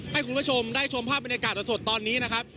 ให้คุณผู้ชมได้ชมภาพบรรยากาศสดตอนนี้นะครับ